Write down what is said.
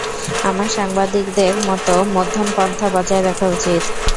আমার সাংবাদিকদের মতো মধ্যমপন্থা বজায় রাখা উচিত।